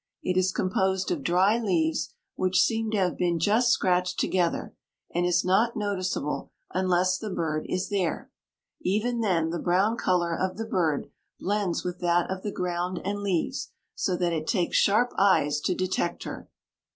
It is composed of dry leaves which seem to have been just scratched together, and is not noticeable unless the bird is there. Even then, the brown color of the bird blends with that of the ground and leaves, so that it takes sharp eyes to detect her.